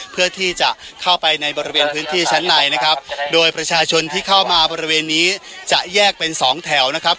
เพื่อที่จะเข้าไปในบริเวณพื้นที่ชั้นในนะครับโดยประชาชนที่เข้ามาบริเวณนี้จะแยกเป็นสองแถวนะครับ